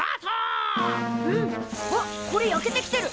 あっこれ焼けてきてる。